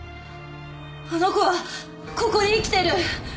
あの子はここに生きてる！